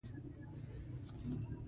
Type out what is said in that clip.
د نا شکره کلي والو قيصه :